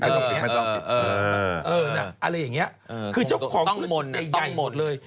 เออนะอะไรอย่างนี้คือเจ้าของใหญ่เลย